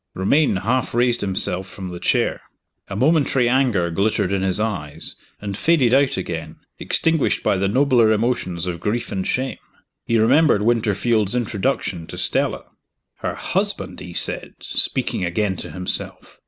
Romayne half raised himself from the chair. A momentary anger glittered in his eyes, and faded out again, extinguished by the nobler emotions of grief and shame. He remembered Winterfield's introduction to Stella. "Her husband!" he said, speaking again to himself.